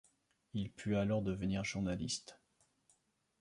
Il put alors devenir journaliste.